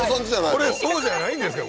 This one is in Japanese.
これそうじゃないんですか？